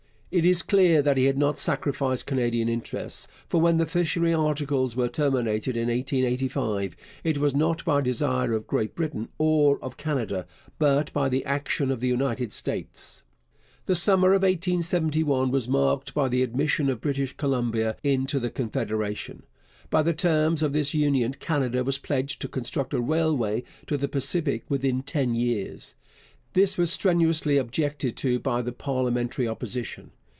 It is clear that he had not sacrificed Canadian interests, for when the Fishery Articles were terminated in 1885, it was not by desire of Great Britain or of Canada, but by the action of the United States. The summer of 1871 was marked by the admission of British Columbia into the Confederation. By the terms of this union Canada was pledged to construct a railway to the Pacific within ten years. This was strenuously objected to by the parliamentary Opposition.